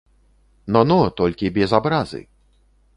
Но, но, толькі без абразы.